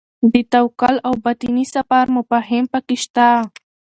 د توکل او باطني سفر مفاهیم پکې شته.